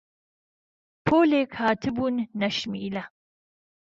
پۆلێک هاتبوون نهشميله